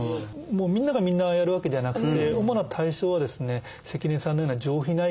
もうみんながみんなやるわけではなくて主な対象はですね関根さんのような上皮内